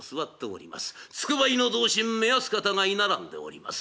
つくばいの同心目安方が居並んでおります。